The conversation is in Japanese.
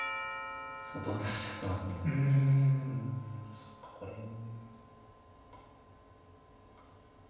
そっかこれも。